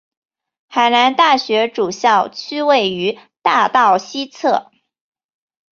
海南大学主校区位于大道西侧。